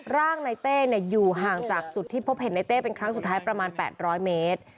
ร่างในเต้อยู่ห่างจากจุดที่พบเห็นในเต้เป็นครั้งสุดท้ายประมาณ๘๐๐เมตร